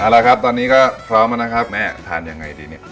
เอาละครับตอนนี้ก็พร้อมแล้วนะครับแม่ทานยังไงดีเนี่ย